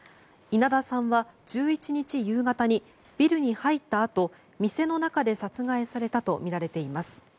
稲田さんは１１日夕方にビルに入ったあと店の中で殺害されたとみられています。